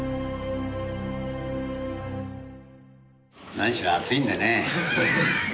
何しろ暑いんでね。